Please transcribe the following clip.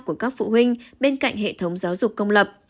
của các phụ huynh bên cạnh hệ thống giáo dục công lập